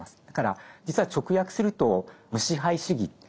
だから実は直訳すると「無支配主義」。